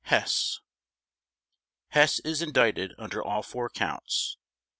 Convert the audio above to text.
HESS Hess is indicted under all four Counts.